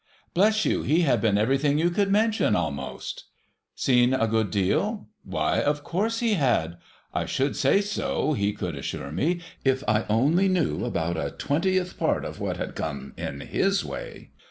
Bless you, he had been everything you could mention a'most ! Seen a good deal ? Why, of course he had. I should say so, he could assure me, if I only knew about a twentieth part of what had come in /lis way.